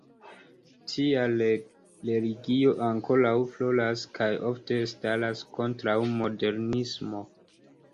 Tial religio ankoraŭ floras kaj ofte staras kontraŭ modernismo.